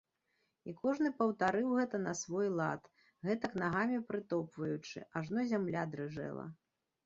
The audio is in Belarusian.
І кожны паўтарыў гэта на свой лад, гэтак нагамі прытопваючы, ажно зямля дрыжэла.